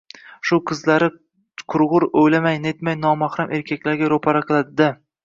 Shu qizlari qurg‘ur, o‘ylamay-netmay, nomahram erkaklarga ro‘para qiladi-da.